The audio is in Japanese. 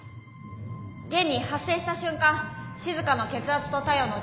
現に発生した瞬間しずかの血圧と体温の上昇